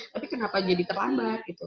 tapi kenapa jadi terlambat gitu